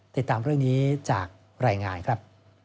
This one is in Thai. ติดตามเรื่องนี้จากรายงานครับ